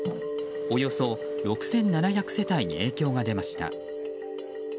およそ６７００世帯に影響が出ました。